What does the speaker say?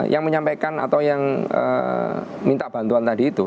yang menyampaikan atau yang minta bantuan tadi itu